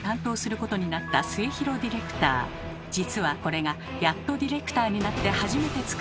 実はこれがやっとディレクターになって初めて作るＶＴＲ。